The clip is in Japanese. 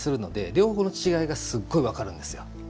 両方の違いがすごい分かるんですよ。